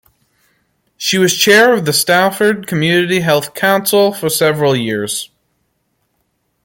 She was Chair of the Salford Community Health Council for several years.